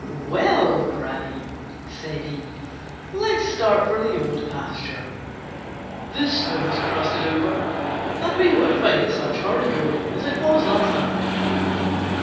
"Well, Granny," said he, "let's start for the Old Pasture. The snow has crusted over, and we won't find it such hard going as it was last night."